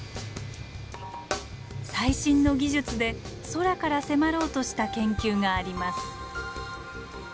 最新の技術で空から迫ろうとした研究があります。